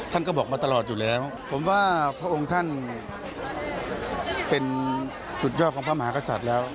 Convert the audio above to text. ท่านก็บอกมาตลอดอยู่แล้วผมว่าพระองค์ท่านเป็นสุดยอดของพระมหากษัตริย์แล้ว